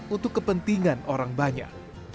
untuk kepentingan orang banyak